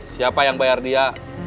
siapa yang bayar dia